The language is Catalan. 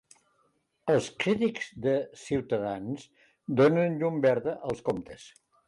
Els crítics de Ciutadans donen llum verda als comptes